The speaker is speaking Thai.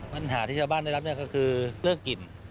ปัญหาที่ชาวบ้านได้รับเนี่ยก็คือเรื่องกลิ่น